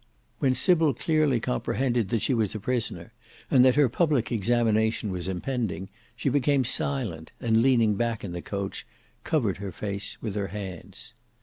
When Sybil clearly comprehended that she was a prisoner, and that her public examination was impending, she became silent, and leaning back in the coach, covered her face with her hands.